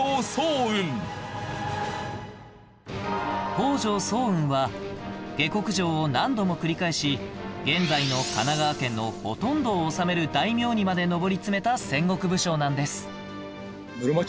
北条早雲は下克上を何度も繰り返し現在の神奈川県のほとんどを治める大名にまで上り詰めた戦国武将なんです